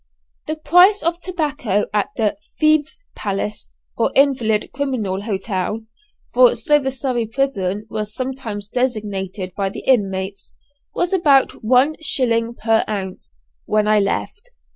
The price of tobacco at the "Thieves' Palace or Invalid Criminal Hotel," for so the Surrey Prison was sometimes designated by the inmates, was about one shilling per ounce, when I left.